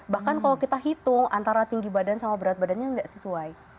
bahkan kalau kita hitung antara tinggi badan sama berat badannya tidak sesuai